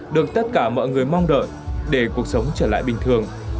được tất cả mọi người mong đợi để cuộc sống trở lại bình thường